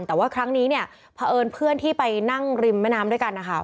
แต่ว่าครั้งนี้เนี่ยเผอิญเพื่อนที่ไปนั่งริมแม่น้ำด้วยกันนะคะ